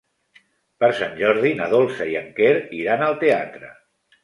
Per Sant Jordi na Dolça i en Quer iran al teatre.